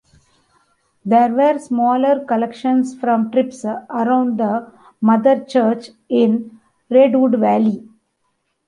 There were smaller collections from trips around the "mother church" in Redwood Valley.